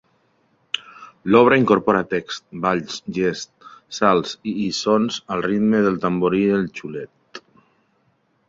L'obra incorpora text, balls, gests, salts i sons al ritme del tamborí i el xiulet.